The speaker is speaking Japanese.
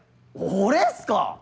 「俺っすか？」